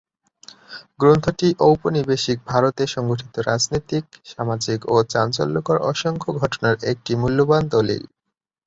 গ্রন্থটি ঔপনিবেশিক ভারতে সংঘটিত রাজনীতিক, সামাজিক ও চাঞ্চল্যকর অসংখ্য ঘটনার একটি মূল্যবান দলিল।